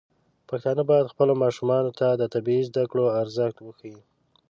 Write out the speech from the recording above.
پښتانه بايد خپلو ماشومانو ته د طبي زده کړو ارزښت وښيي.